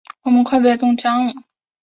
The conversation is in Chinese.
我们快被冻僵了！